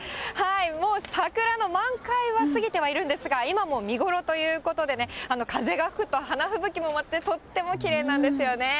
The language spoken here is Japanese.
もう桜の満開は過ぎてはいるんですが、今も見頃ということでね、風が吹くと花吹雪も舞って、とってもきれいなんですよね。